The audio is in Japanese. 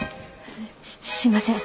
すすいません。